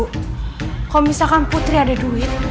kalau misalkan putri ada duit